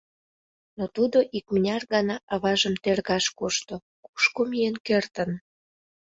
Но тудо икмыняр гана аважым «тергаш» кошто, кушко миен кертын?